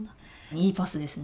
いいパスですね。